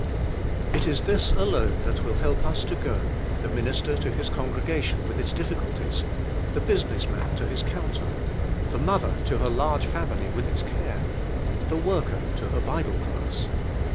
It is this alone that will help us to go, the minister to his congregation with its difficulties, the business man to his counter, the mother to her large family with its care, the worker to her Bible class.